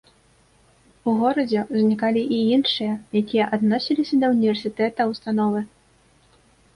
У горадзе ўзнікалі і іншыя, якія адносіліся да ўніверсітэта ўстановы.